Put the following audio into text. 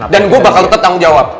dan gue bakal tetanggung jawab